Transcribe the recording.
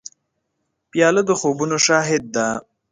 پیاله د خوبونو شاهد ده.